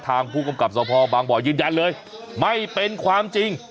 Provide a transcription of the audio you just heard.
ทางผู้กำกับสภบางบ่อยืนยันเลยไม่เป็นความจริง